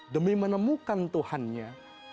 demi menemukan tuhannya